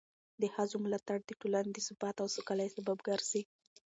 د ښځو ملاتړ د ټولنې د ثبات او سوکالۍ سبب ګرځي.